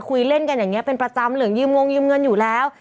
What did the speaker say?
เล่นกันอย่างนี้เป็นประจำเหลืองยืมงยืมเงินอยู่แล้ว